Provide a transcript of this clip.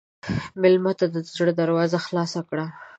مېلمه ته د زړه دروازه خلاصه کړه.